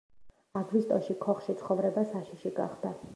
აგვისტოში ქოხში ცხოვრება საშიში გახდა.